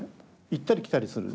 行ったり来たりする。